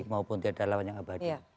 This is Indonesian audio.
maupun tidak ada lawan yang abadi